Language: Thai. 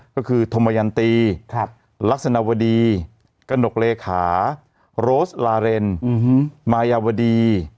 ก็คือธมยันตีลักษณะวดีกระหนกเลขาโรสลาเรนมายาวดี